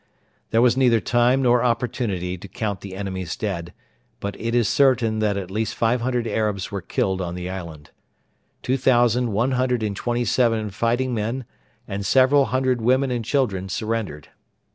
There was neither time nor opportunity to count the enemy's dead, but it is certain that at least 500 Arabs were killed on the island. Two thousand one hundred and twenty seven fighting men and several hundred women and children surrendered.